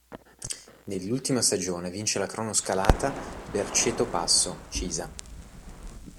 Nell'ultima stagione vince la cronoscalata Berceto-Passo Cisa.